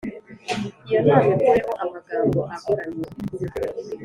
Iyo nama ikureho amagambo agoramye